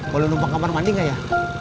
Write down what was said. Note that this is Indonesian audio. kalau numpang kamar mandi nggak ya